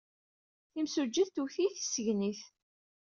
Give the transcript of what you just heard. Timsujjit twet-iyi tissegnit.